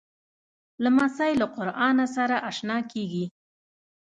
لمسی له قرآنه سره اشنا کېږي.